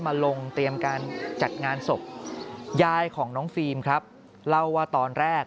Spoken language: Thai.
มาลงเตรียมการจัดงานศพยายของน้องฟิล์มครับเล่าว่าตอนแรก